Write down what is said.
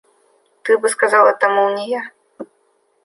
Ты бы сказал: это, мол, не я.